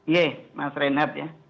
ya mas renat ya